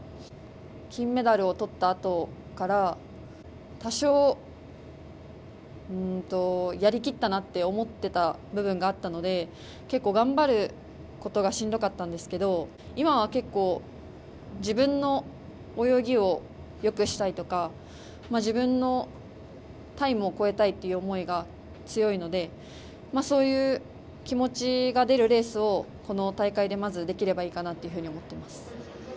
金メダルを取ったあとから多少、やりきったなって思った部分があったので結構、頑張ることがしんどかったんですけど今は結構、自分の泳ぎをよくしたいとか、自分のタイムを超えたいっていう思いが強いのでそういう気持ちが出るレースをこの大会でまず、できればいいかなというふうに思ってます。